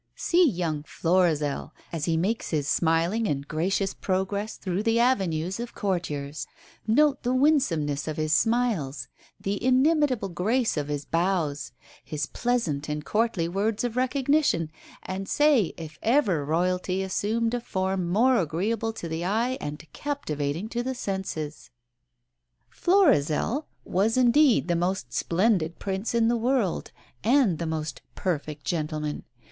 See young "Florizel" as he makes his smiling and gracious progress through the avenues of courtiers; note the winsomeness of his smiles, the inimitable grace of his bows, his pleasant, courtly words of recognition, and say if ever Royalty assumed a form more agreeable to the eye and captivating to the senses. "Florizel" was indeed the most splendid Prince in the world, and the most "perfect gentleman."